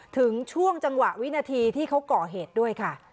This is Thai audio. ถึงช่วงจังหวะวินาทีที่เขาก่อเหตุด้วยค่ะ